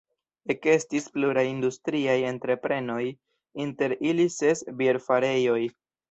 Ekestis pluraj industriaj entreprenoj, inter ili ses bierfarejoj.